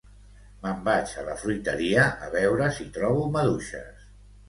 me'n vaig a la fruiteria a veure si trobo maduixes